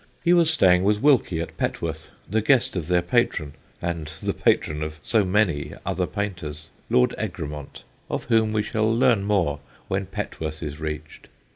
He was staying with Wilkie at Petworth, the guest of their patron, and the patron of so many other painters, Lord Egremont, of whom we shall learn more when Petworth is reached.